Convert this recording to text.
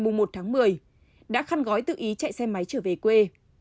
tự nhiên hàng nghìn người ở tp hcm đã khăn gói tự ý chạy xe máy trở về quê